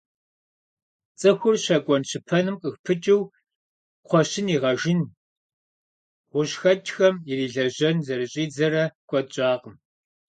ЦӀыхур щэкӀуэн-щыпэным къыпыкӀыу, кхъуэщын игъэжын, гъущӀхэкӀхэм ирилэжьэн зэрыщӀидзэрэ куэд щӀакъым.